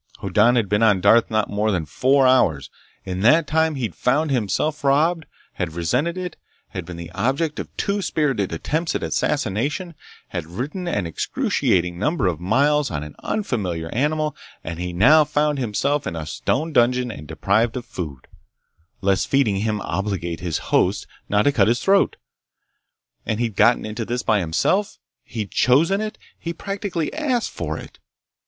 Hoddan had been on Darth not more than four hours. In that time he'd found himself robbed, had resented it, had been the object of two spirited attempts at assassination, had ridden an excruciating number of miles on an unfamiliar animal, and now found himself in a stone dungeon and deprived of food lest feeding him obligate his host not to cut his throat. And he'd gotten into this by himself! He'd chosen it! He'd practically asked for it!